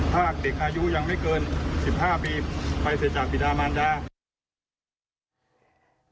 ถ้าเด็กอายุยังไม่เกิน๑๕ปีไปเสร็จจากบิดามันดา